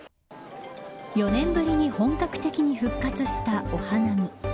４年ぶりに本格的に復活したお花見。